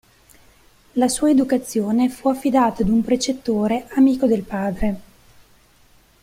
La sua educazione fu affidata ad un precettore amico del padre.